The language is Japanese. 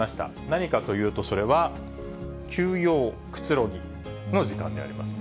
何かというと、それは、休養・くつろぎの時間であります。